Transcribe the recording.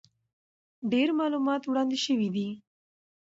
ډېر معلومات وړاندې شوي دي،